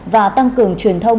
và tăng cường truyền thông